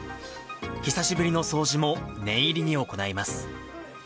久しぶりの掃除も念入りに行います。